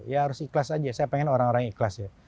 ya harus ikhlas saja saya ingin orang orang yang ikhlas ya